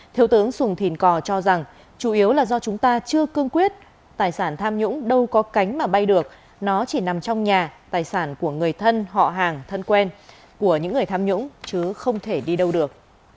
thiếu tướng sùng thìn cò cho rằng chủ yếu là do chúng ta chưa cương quyết tài sản tham nhũng đâu có cánh mà bay được nó chỉ nằm trong nhà tài sản của người thân họ hàng thân quen của những người tham nhũng chứ không thể đi đâu được